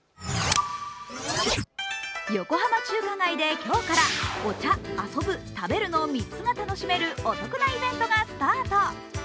横浜中華街で今日からお茶、遊ぶ、食べるの３つが楽しめるお得なイベントがスタート。